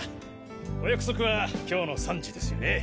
お約束は今日の３時ですよね。